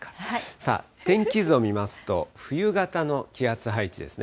さあ、天気図を見ますと、冬型の気圧配置ですね。